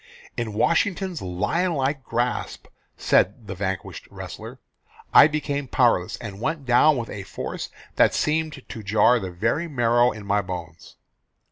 "In Washington's lion like grasp," said the vanquished wrestler, "I became powerless, and went down with a force that seemed to jar the very marrow in my bones."